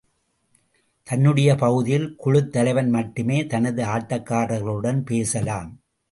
தன்னுடைய பகுதியில் குழுத் தலைவன் மட்டுமே தனது ஆட்டக்காரர்களுடன் பேசலாம்.